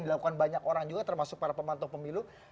yang dilakukan banyak orang juga termasuk para pemandu pemilu